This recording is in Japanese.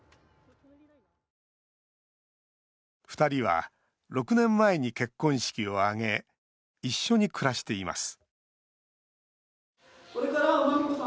２人は、６年前に結婚式を挙げ一緒に暮らしています